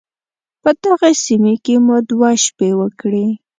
په دغې سيمې کې مو دوه شپې وکړې.